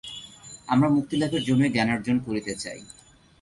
আমরা মুক্তিলাভের জন্যই জ্ঞানার্জন করিতে চাই।